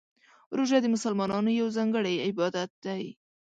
روژه د مسلمانانو یو ځانګړی عبادت دی.